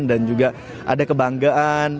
dan juga ada kebanggaan